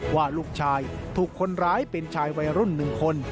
ว่าลูกชายถูกคนร้ายเป็นชายวัยรุ่น๑คน